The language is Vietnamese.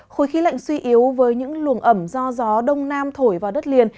khối khí lạnh suy yếu với những luồng ẩm do gió đông nam thổi vào đất liền